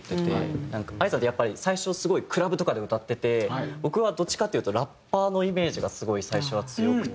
ＡＩさんってやっぱり最初すごいクラブとかで歌ってて僕はどっちかっていうとラッパーのイメージがすごい最初は強くて。